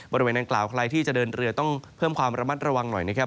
บริเวณดังกล่าวใครที่จะเดินเรือต้องเพิ่มความระมัดระวังหน่อยนะครับ